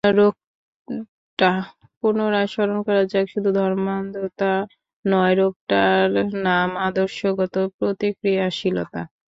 রোগটা, পুনরায় স্মরণ করা যাক, শুধু ধর্মান্ধতা নয়, রোগটার নাম আদর্শগত প্রতিক্রিয়াশীলতা।